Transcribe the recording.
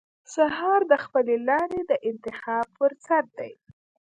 سهار د خپلې لارې د انتخاب فرصت دی.